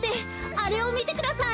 あれをみてください。